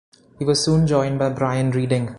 He was soon joined by Brian Reading.